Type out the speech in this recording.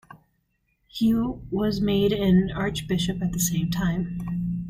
He was made an Archbishop at the same time.